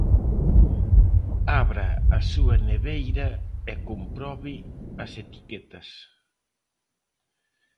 Abra a súa neveira e comprobe as etiquetas.